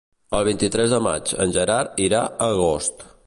El vint-i-tres de maig en Gerard irà a Agost.